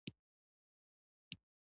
ستوني غرونه د افغانانو د ګټورتیا برخه ده.